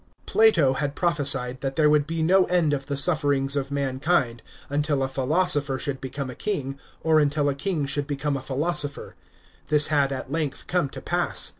§ 2. Plato had prophesied that there would be no end of the sufferings of mankind until a philosopher should become a king or nntil a king should become a philosopher. This had at length come to pass.